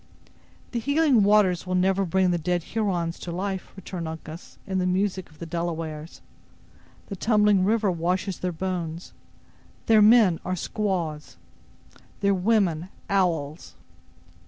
"The healing waters will never bring the dead Hurons to life," returned Uncas, in the music of the Delawares; "the tumbling river washes their bones; their men are squaws: their women owls.